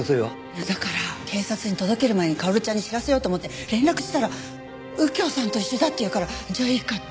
いやだから警察に届ける前に薫ちゃんに知らせようと思って連絡したら右京さんと一緒だっていうからじゃあいいかって。